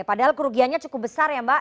padahal kerugiannya cukup besar ya mbak